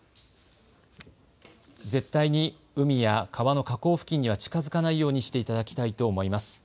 絶対に海や川の河口付近には近づかないようにしていただきたいと思います。